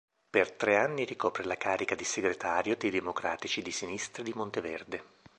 Per tre anni ricopre la carica di Segretario dei Democratici di Sinistra di Monteverde.